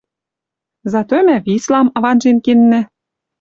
Зато мӓ Вислам ванжен кеннӓ.